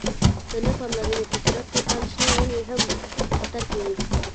د نه پاملرنې په صورت کې آن شنې ونې هم په خطر کې وي.